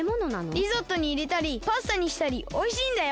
リゾットにいれたりパスタにしたりおいしいんだよ！